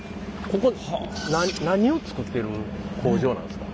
ここ何を作ってる工場なんですか？